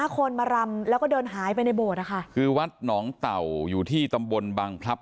คนมารำแล้วก็เดินหายไปในโบสถ์นะคะคือวัดหนองเต่าอยู่ที่ตำบลบังพลับ